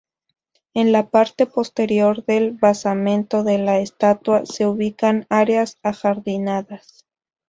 En la parte posterior del basamento de la estatua se ubican áreas ajardinadas.